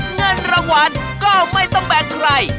เงินรางวัลก็ไม่ต้องแบ่งใคร